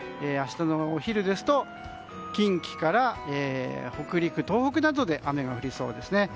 明日のお昼ですと近畿から北陸、東北などで雨が降りそうですね。